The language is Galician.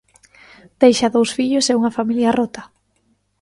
Deixa dous fillos e unha familia rota.